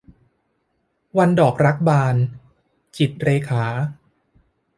วันดอกรักบาน - จิตรเรขา